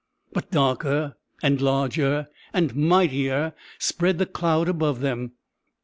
But darker, and larger, and mightier, spread the cloud above them.